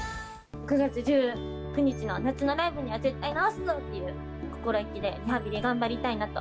９月１９日の夏のライブには絶対治すぞっていう心意気で、リハビリ頑張りたいなと。